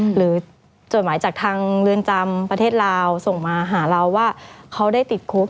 จดหมายจากทางเรือนจำประเทศลาวส่งมาหาเราว่าเขาได้ติดคุก